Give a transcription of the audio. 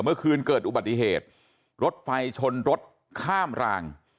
เมื่อคืนเกิดอุบัติเหตุรถไฟชนรถข้ามราง